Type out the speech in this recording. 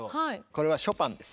これはショパンです。